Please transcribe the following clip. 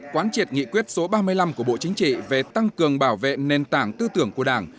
quán triệt nghị quyết số ba mươi năm của bộ chính trị về tăng cường bảo vệ nền tảng tư tưởng của đảng